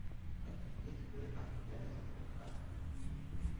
Medlicott পরিবারের land agent ছিলেন captain Pratt.